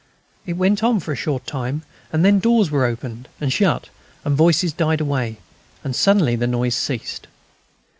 It went on for a short time, and then doors were opened and shut, the voices died away, and suddenly the noise ceased.